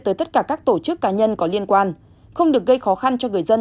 tới tất cả các tổ chức cá nhân có liên quan không được gây khó khăn cho người dân